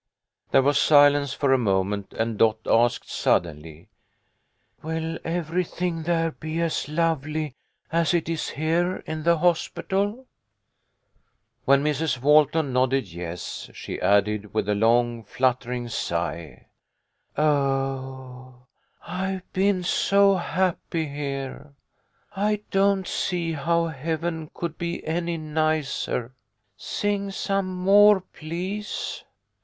" There was silence for a moment, and Dot asked suddenly, "Will everything there be as lovely as 226 THE LITTLE COLONEL'S HOLIDAYS. it is here in the hospital ?" When Mrs. Walton nodded yes, she added, with a long, fluttering sigh, "Oh, I've been so happy here. I don't see how heaven could be any nicer. Sing some more, please."